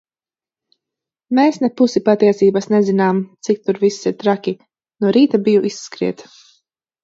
Mēs ne pusi patiesības nezinām, cik tur viss ir traki. No rīta biju izskriet.